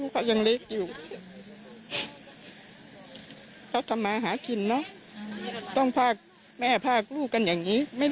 ผงศรเข้าไง